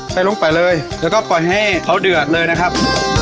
ใส่ลงไปเลยแล้วก็ปล่อยให้เขาเดือดเลยนะครับ